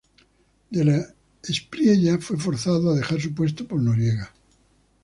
De la Espriella fue forzado a dejar su puesto por Noriega.